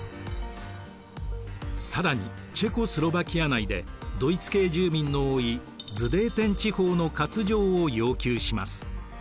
更にチェコスロヴァキア内でドイツ系住民の多いズデーテン地方の割譲を要求します。